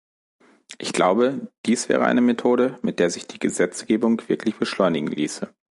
Ich glaube, dies wäre eine Methode, mit der sich die Gesetzgebung wirklich beschleunigen ließe.